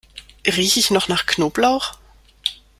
Rieche ich noch nach Knoblauch?